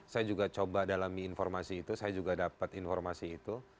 saya juga coba dalami informasi itu saya juga dapat informasi itu